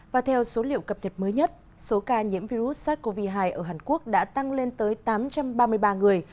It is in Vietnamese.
và theo số liệu cập nhật mới nhất số ca nhiễm virus sars cov hai ở hàn quốc đã tăng lên tới tám trăm ba mươi ba người